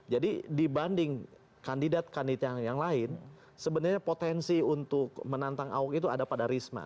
jadi dibanding kandidat kandidat yang lain sebenarnya potensi untuk menantang ahok itu ada pada risma